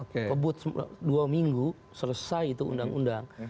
kebut dua minggu selesai itu undang undang